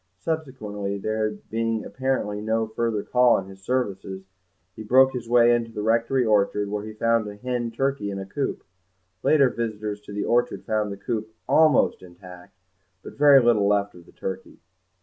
Subsequently, there being apparently no further call on his services, he broke his way into the rectory orchard, where he found a hen turkey in a coop; later visitors to the orchard found the coop almost intact, but very little left of the turkey.